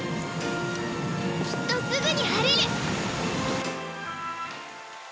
きっとすぐに晴れる！